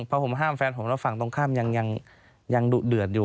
พอผมห้ามแฟนผมแล้วฝั่งตรงข้ามยังดุเดือดอยู่